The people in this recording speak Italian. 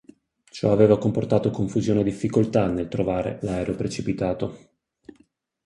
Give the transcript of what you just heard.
Ciò aveva comportato confusione e difficoltà nel trovare l'aereo precipitato.